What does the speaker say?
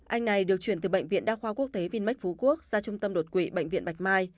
anh này được chuyển từ bệnh viện đa khoa quốc tế vinmec phú quốc ra trung tâm đột quỵ bệnh viện bạch mai